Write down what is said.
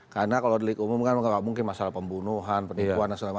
karena kalau delik umum kan gak mungkin masalah pembunuhan penipuan dan sebagainya